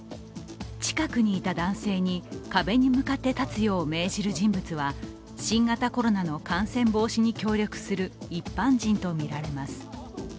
近くにいた男性に壁に向かって立つよう命じる人物は新型コロナの感染防止に協力する一般人とみられます。